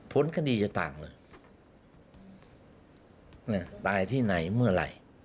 พ้นคดีจะต่างเลยตายที่ไหนเมื่อไหร่